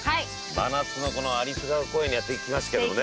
真夏の有栖川公園にやって来ましたけどもね。